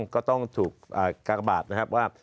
ก็ต้องถูกกากบาทนะครับว่า